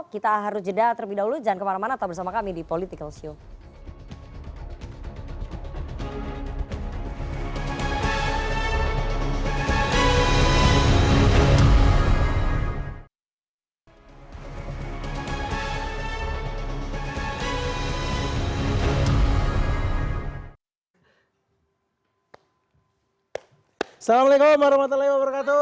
kita harus jeda terlebih dahulu jangan kemana mana tetap bersama kami di political show